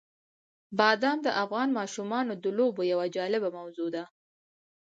بادام د افغان ماشومانو د لوبو یوه جالبه موضوع ده.